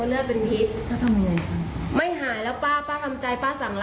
คุณผู้ชมค่ะแล้วเดี๋ยวมาเล่ารายละเอียดเพิ่มเติมให้ฟังค่ะ